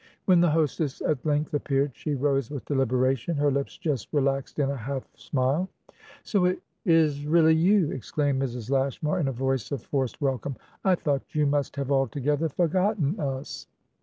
When the hostess at length appeared, she rose with deliberation, her lips just relaxed in a half smile. "So it is really you!" exclaimed Mrs. Lashmar, in a voice of forced welcome. "I thought you must have altogether forgotten us."